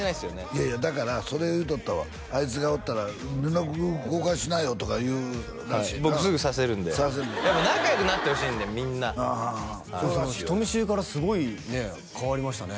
いやいやだからそれ言うとったわあいつがおったら「連絡交換しなよ」とか言うらしいな僕すぐさせるんで仲良くなってほしいんでみんな人見知りからすごいね変わりましたね